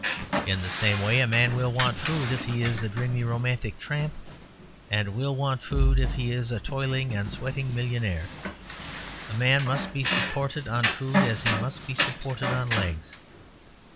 In the same way a man will want food if he is a dreamy romantic tramp, and will want food if he is a toiling and sweating millionaire. A man must be supported on food as he must be supported on legs.